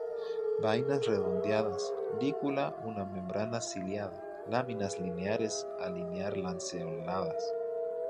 Vainas redondeadas; lígula una membrana ciliada; láminas lineares a linear-lanceoladas.